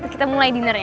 kita mulai dinernya